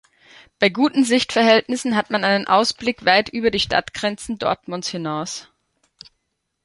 Bei guten Sichtverhältnissen hat man einen Ausblick weit über die Stadtgrenzen Dortmunds hinaus.